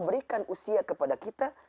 berikan usia kepada kita